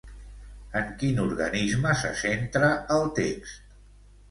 En quin organisme se centra el text?